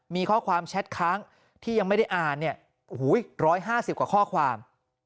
มีข้อความแชทค้างที่ยังไม่ได้อ่านเนี่ย๑๕๐กว่าข้อความ